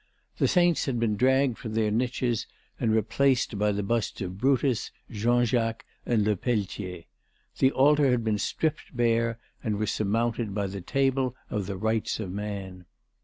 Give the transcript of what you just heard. The Saints had been dragged from their niches and replaced by the busts of Brutus, Jean Jacques and Le Peltier. The altar had been stripped bare and was surmounted by the Table of the Rights of Man.